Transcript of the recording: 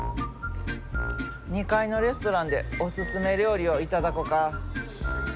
２階のレストランでおすすめ料理を頂こか。